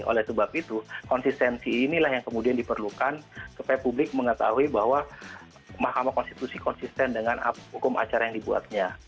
oleh sebab itu konsistensi inilah yang kemudian diperlukan supaya publik mengetahui bahwa mahkamah konstitusi konsisten dengan hukum acara yang dibuatnya